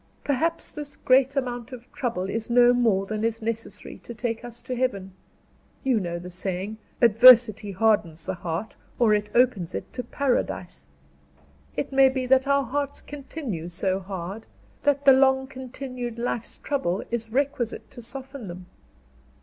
Perhaps this great amount of trouble is no more than is necessary to take us to Heaven. You know the saying, 'Adversity hardens the heart, or it opens it to Paradise.' It may be that our hearts continue so hard, that the long continued life's trouble is requisite to soften them.